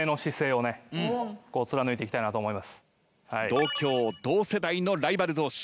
同郷同世代のライバル同士。